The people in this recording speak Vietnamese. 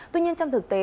tuy nhiên trong thực tế